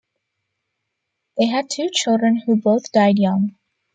They had two children who both died young.